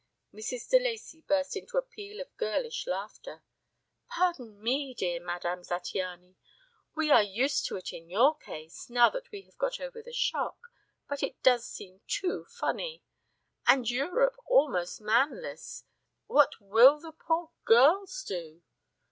Mrs. de Lacey burst into a peal of girlish laughter. "Pardon me, dear Madame Zattiany. We are used to it in your case, now that we have got over the shock, but it does seem too funny. And Europe almost manless. What what will the poor girls do?"